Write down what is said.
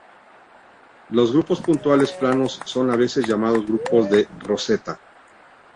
Los grupos puntuales planos son a veces llamados grupos de roseta.